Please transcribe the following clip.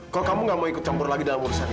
kalau kamu gak mau ikut campur lagi dalam urusan ini